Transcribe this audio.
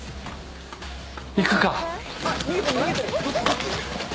行くか。